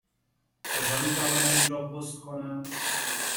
کجا می توانم این را پست کنم؟